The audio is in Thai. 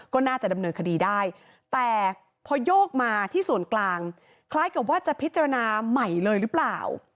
ก็น่าจะดำเนินคดีได้แต่พอโยกมาที่ส่วนกลางคล้ายกับว่าจะพิจารณาใหม่เลยหรือเปล่า